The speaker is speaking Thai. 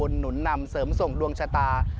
หนุนนำเสริมส่งดวงชะตา